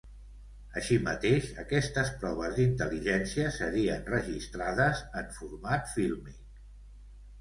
Així mateix, aquestes proves d'intel·ligència serien registrades en format fílmic.